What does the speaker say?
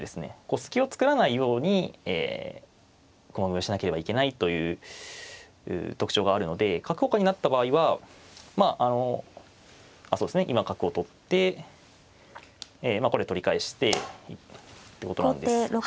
隙を作らないように駒組みをしなければいけないという特徴があるので角交換になった場合はまああのそうですね今角を取ってこれ取り返してってことなんですが。